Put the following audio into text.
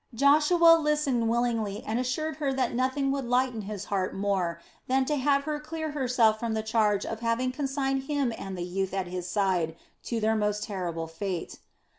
Joshua listened willingly and assured her that nothing would lighten his heart more than to have her clear herself from the charge of having consigned him and the youth at his side to their most terrible fate.